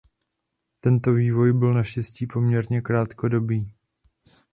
Tento vývoj byl naštěstí poměrně krátkodobý.